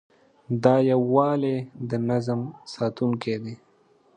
دا یووالی د نظم ساتونکی دی.